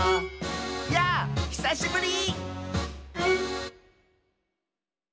「やぁひさしぶり！」